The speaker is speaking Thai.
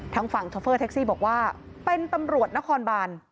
ทางฝั่งโชเฟอร์แท็กซี่บอกว่าเป็นตำรวจนครบาน